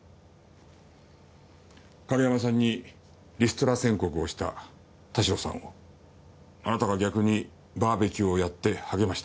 景山さんにリストラ宣告をした田代さんをあなたが逆にバーベキューをやって励ました。